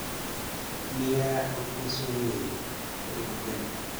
Mi ara ḥulfun s umihi, rewwlen.